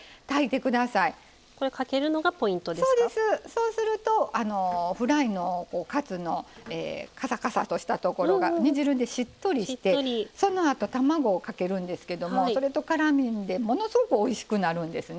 そうするとフライのカツのカサカサとしたところが煮汁でしっとりしてそのあと卵をかけるんですけどもそれとからんでものすごくおいしくなるんですね。